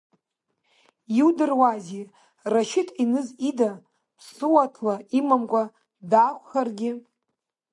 Иудыруазеи Рашьыҭ Еныз ида ԥсуаҭла имамкәа даақәхаргьы!